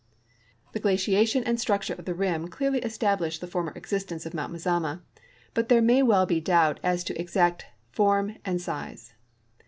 The giaciation and structure of the rim clearly establish the former existence of Mount Mazama, but there may well be doubt as to its exact form and size.